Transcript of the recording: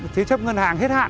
thế chấp ngân hàng hết hạn